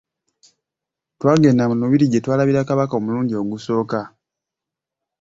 Twagenda mu lubiri gye twalaira kabaka omulundi ogusooka.